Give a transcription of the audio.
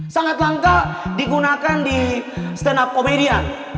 sangat langka digunakan di stand up komedia